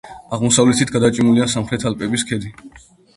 აღმოსავლეთით გადაჭიმულია სამხრეთ ალპების ქედი.